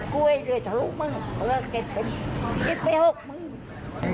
ก็เก็บไปหกมึง